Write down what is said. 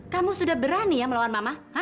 kamu sudah berani ya melawan mama